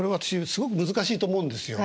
すごく難しいと思うんですよ。